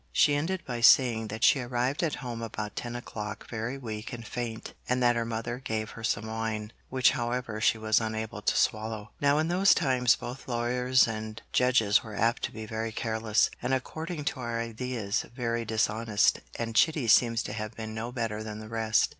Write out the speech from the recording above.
She ended by saying that she arrived at home about ten o'clock very weak and faint, and that her mother gave her some wine, which however she was unable to swallow. Now in those times both lawyers and judges were apt to be very careless, and according to our ideas, very dishonest, and Chitty seems to have been no better than the rest.